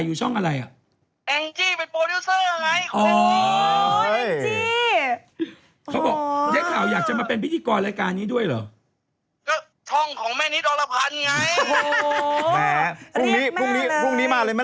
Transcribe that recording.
สรุปยังไงคิดว่านับไปได้ทุกคนอยากมาฟิฟิล์ดนี้แล้วพวกนี้มาเลยไหม